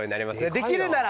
できるなら。